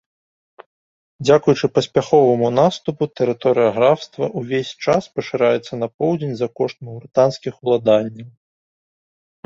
Дзякуючы паспяховаму наступу, тэрыторыя графства ўвесь час пашыраецца на поўдзень за кошт маўрытанскіх уладанняў.